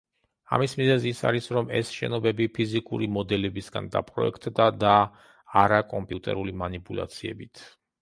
ამის მიზეზი ის არის, რომ ეს შენობები ფიზიკური მოდელებისგან დაპროექტდა და არა კომპიუტერული მანიპულაციებით.